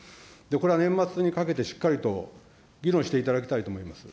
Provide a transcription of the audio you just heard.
これは年末にかけて、しっかりと議論していただきたいと思います。